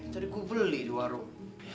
tadi aku beli di warung